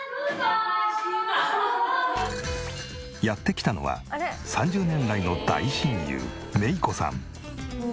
やって来たのは３０年来の大親友明子さん。